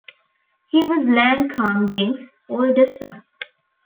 He was Lan Kham Deng's oldest son.